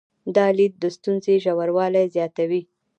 دا لید د ستونزې ژوروالي زیاتوي.